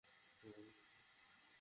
রেগে যেও না।